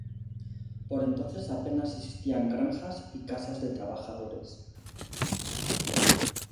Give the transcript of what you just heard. Por entonces, apenas existían granjas y casas de trabajadores.